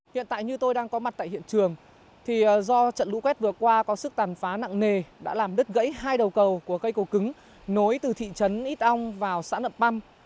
hiện tại như tôi đang có mặt tại hiện trường thì do trận lũ quét vừa qua có sức tàn phá nặng nề đã làm đứt gãy hai đầu cầu của cây cầu cứng nối từ thị trấn ít ong vào xã nậm păm